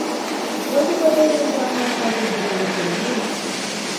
Você poderia enviar umas fotos do carro pra mim